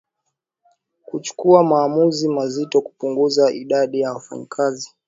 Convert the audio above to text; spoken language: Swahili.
kuchukua maamuzi mazito kupunguza idadi ya mfanyakazi